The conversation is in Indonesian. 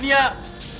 tidak pantas berhenti